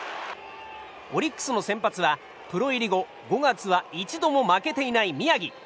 オリックスの先発はプロ入り後５月は一度も負けていない宮城。